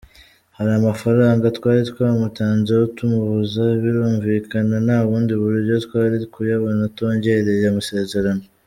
Hari amafaranga twari twamutanzeho tumuvuza, birumvikana nta bundi buryo twari kuyabona atongereye amasezerano.